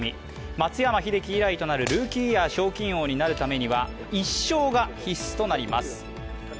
松山英樹以来となるルーキーイヤー賞金王になるためには１勝が必須となります。